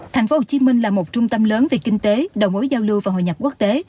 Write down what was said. thành phố hồ chí minh là một trung tâm lớn về kinh tế đầu mối giao lưu và hội nhập quốc tế